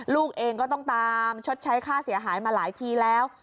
ลูกเองก็ต้องตามชดใช้ค่าเสียหายมาหลายทีแล้ว